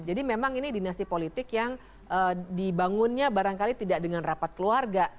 karena sekarang ini dinasti politik yang dibangunnya barangkali tidak dengan rapat keluarga